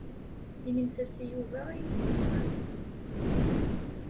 Inimt-as i Yuba ayen i tebɣamt.